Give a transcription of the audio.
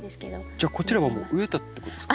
じゃあこちらは植えたってことですか？